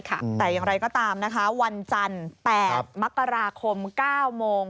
แต่อย่างไรก็ตามนะคะวันจันทร์๘มกราคม๙โมง